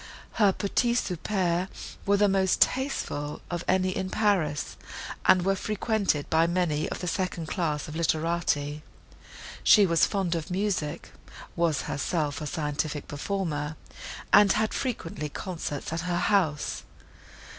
Her petits soupers were the most tasteful of any in Paris, and were frequented by many of the second class of literati. She was fond of music, was herself a scientific performer, and had frequently concerts at her house.